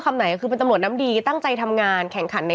คำไหนคือเป็นตำรวจน้ำดีตั้งใจทำงานแข่งขันใน